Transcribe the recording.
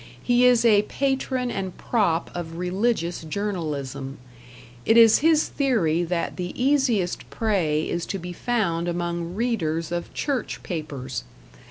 He is a patron and prop of religious journalism. It is his theory that the easiest prey is to be found among readers of church papers.